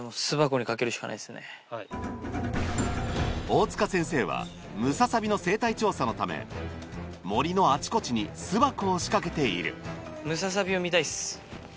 大塚先生はムササビの生態調査のため森のあちこちにムササビを見たいっす。